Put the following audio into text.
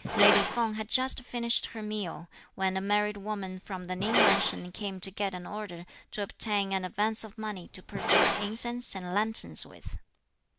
Lady Feng had just finished her meal, when a married woman from the Ning mansion came to get an order to obtain an advance of money to purchase incense and lanterns with.